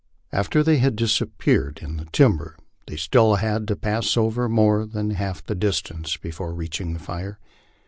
After they had disappeared in the timber they still had to pass over more than half the distance before reaching the fire.